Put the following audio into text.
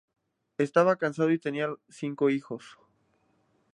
Estaba casado y tenia cinco hijos.